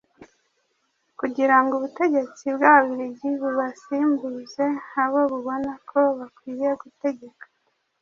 kugirango ubutegetsi bw'Ababiligi bubasimbuze abo bubona ko bakwiye gutegeka,